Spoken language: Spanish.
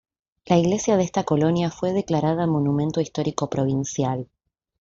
La iglesia de esta colonia fue declarada Monumento Histórico Provincial.